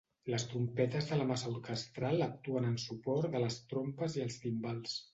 Les trompetes de la massa orquestral actuen en suport de les trompes i els timbals.